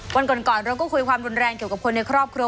วันก่อนเราก็คุยความรุนแรงเกี่ยวกับคนในครอบครัว